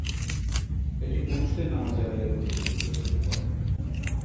এটি পুরুষদের নামাজ আদায়ের উপযোগী করে তৈরি করা।